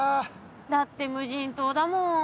だって無人島だもん。